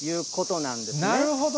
なるほどね。